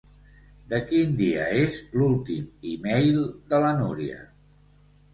De quin dia és l'últim email de la Núria?